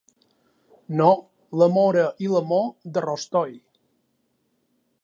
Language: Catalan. No, la móra i l'amor, de rostoll.